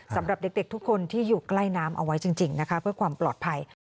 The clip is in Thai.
สำหรับเด็กทุกคนที่อยู่ใกล้น้ำเอาไว้จริงนะคะเพื่อความปลอดภัย